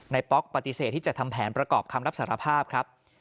ป๊อกปฏิเสธที่จะทำแผนประกอบคำรับสารภาพครับ